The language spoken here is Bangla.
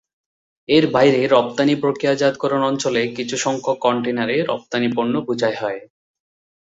এর বাইরে রপ্তানি প্রক্রিয়াজাতকরণ অঞ্চলে কিছুসংখ্যক কনটেইনারে রপ্তানি পণ্য বোঝাই হয়।